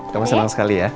kamu seneng sekali ya